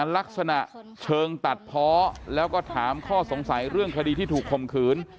ลักษณะเชิงตัดเพาะแล้วก็ถามข้อสงสัยเรื่องคดีที่ถูกข่มขืน